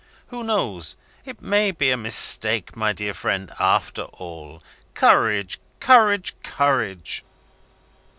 Who knows? It may be a mistake, my dear friend, after all. Courage! courage! courage!"